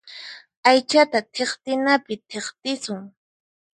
Aychata thiqtinapi thiqtisun.